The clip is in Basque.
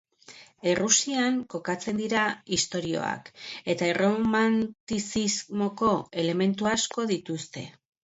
Errusian kokatzen dira istorioak eta erromantizismoko elementu asko dituzte.